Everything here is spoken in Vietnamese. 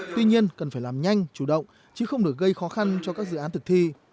tuy nhiên cần phải làm nhanh chủ động chứ không được gây khó khăn cho các dự án thực thi